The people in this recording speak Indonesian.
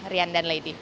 rian dan leiti